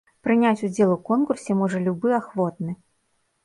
Прыняць удзел у конкурсе можа любы ахвотны.